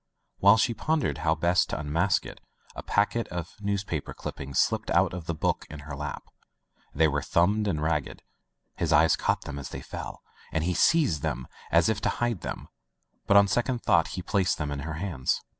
While she pondered how best to unmask it, a packet of news paper clippings slipped out of the book in her lap. They were thumbed and ragged. His eye caught them as they fell, and he seized them as if to hide them, but on second thought placed them in her hands.